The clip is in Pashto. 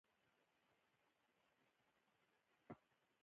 دا سیمه د دې ولسوالۍ ترټولو لوړه سیمه ده